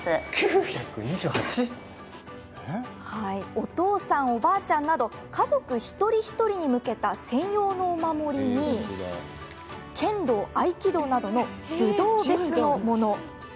お父さん、おばあちゃんなど家族一人一人に向けた専用のお守りに剣道、合気道などの武道別のもの。